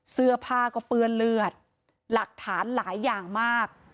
เสื้อผ้าก็เปื้อนเลือดหลักฐานหลายอย่างมาก